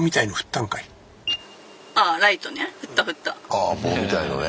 ああ棒みたいのね。